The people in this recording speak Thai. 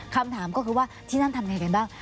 คำถามก็คือว่าที่นั่นทำยังไงกันบ้าง